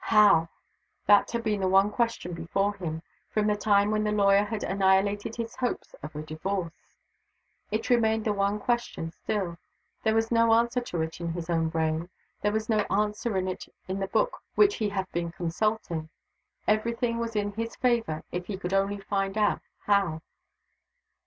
"How?" That had been the one question before him, from the time when the lawyer had annihilated his hopes of a divorce. It remained the one question still. There was no answer to it in his own brain; there was no answer to it in the book which he had been consulting. Every thing was in his favor if he could only find out "how."